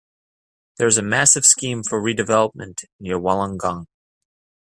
There is a massive scheme for redevelopment near Wollongong.